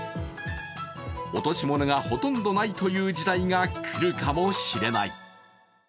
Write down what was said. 落とし物がほとんどないという時代が来るかもしれない。